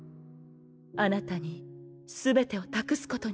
あなたに全てを託すことにしたの。